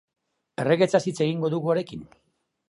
Erregetzaz hitz egingo dugu harekin.